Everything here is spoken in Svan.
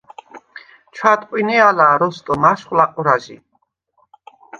ჩვადყვინე ალა̄, როსტომ, აშხვ ლაყვრაჟი.